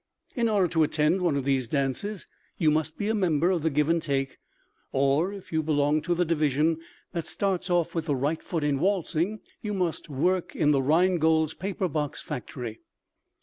In order to attend one of these dances you must be a member of the Give and Take—or, if you belong to the division that starts off with the right foot in waltzing, you must work in Rhinegold's paper box factory.